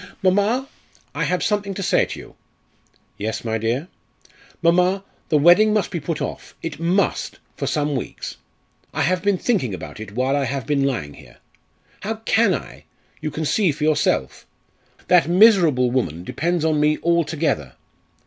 "Mamma! I have something to say to you." "Yes, my dear." "Mamma, the wedding must be put off! it must! for some weeks. I have been thinking about it while I have been lying here. How can I? you can see for yourself. That miserable woman depends on me altogether.